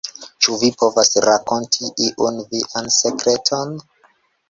Ĉu vi povas rakonti iun vian sekreton?